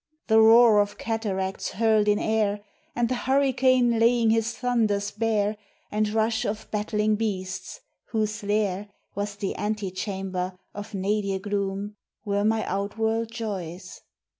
The roar of cataracts hurled in air, And the hurricane laying his thunders bare, And rush of battling beasts, whose lair Was the antechamber of nadir gloom, Were my outworld joys.